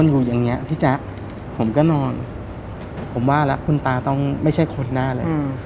อยู่อย่างเงี้ยพี่แจ๊คผมก็นอนผมว่าแล้วคุณตาต้องไม่ใช่คนแน่เลย